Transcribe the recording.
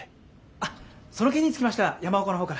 あっその件につきましては山岡の方から。